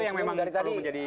itu yang memang perlu menjadi